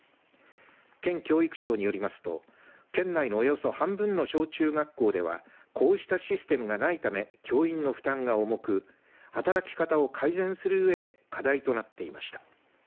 県教育庁によりますと県内のおよそ半分の小中学校ではこうしたシステムがないため教員の負担が重く働き方を改善するうえで課題となっていました。